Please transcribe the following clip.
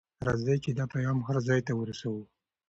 راځئ چې دا پیغام هر ځای ته ورسوو.